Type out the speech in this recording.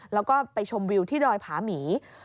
แล้วก็ไปชมวิวที่ดอยผาหมี